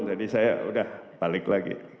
jadi saya udah balik lagi